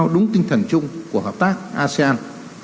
đúng tinh thần chung của hợp tác asean